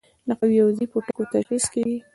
د قوي او ضعیفو ټکو تشخیص کیږي.